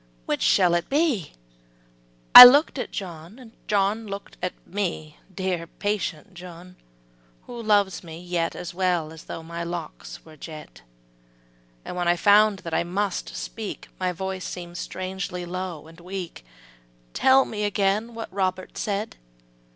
Which shall it be? I look'd at John John look'd at me (Dear, patient John, who loves me yet As well as though my locks were jet); And when I found that I must speak, My voice seem'd strangely low and weak: ``Tell me again what Robert said?''